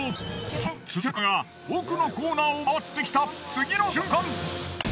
そして続いての車が奥のコーナーを回ってきた次の瞬間！